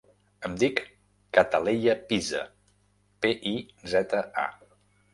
Em dic Cataleya Piza: pe, i, zeta, a.